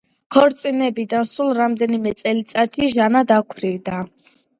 ქორწინებიდან სულ რამდენიმე წელიწადში ჟანა დაქვრივდა.